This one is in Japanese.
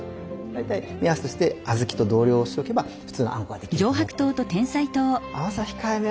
大体目安として小豆と同量にしておけば普通のあんこができると思っといてくれれば。